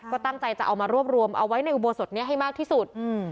ก็ตั้งใจจะเอามารวบรวมเอาไว้ในอุโบสถนี้ให้มากที่สุด